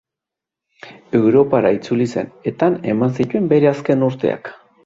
Europara itzuli zen, eta han eman zituen bere azken urteak.